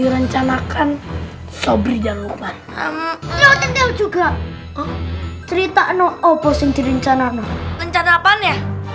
rencanakan sobrinya lupa juga cerita no opposing di rencana rencana panah